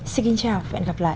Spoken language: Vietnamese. xin kính chào và hẹn gặp lại